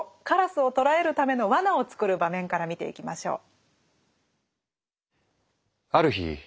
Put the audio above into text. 鴉をとらえるための罠を作る場面から見ていきましょう。